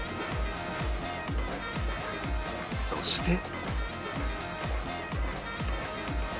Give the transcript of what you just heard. そして